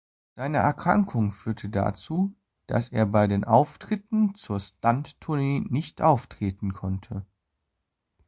Seine Erkrankung führte dazu, dass er bei den Auftritten zur "Stunt"-Tournee nicht auftreten konnte.